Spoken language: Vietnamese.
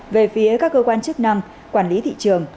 về phía các cơ quan chức năng quản lý thị trường